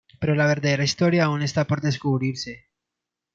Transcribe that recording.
Pero la verdadera historia aún está por descubrirse.